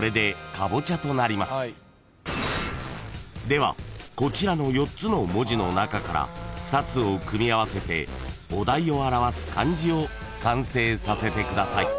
［ではこちらの４つの文字の中から２つを組み合わせてお題を表す漢字を完成させてください］